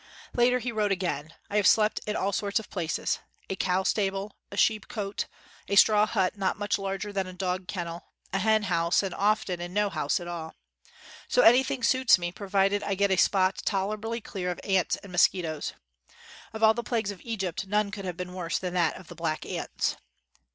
'' Later he wrote again : "I have slept in all sorts of places — a cow stable, a sheep cote, a straw hut not much larger than a dog kennel, a hen house, and often in no house at all. So anything suits me, provided I get a spot tolerably clear of ants and mosquitoes. Of all the plagues of Egypt, none could have been worse than that of the black ants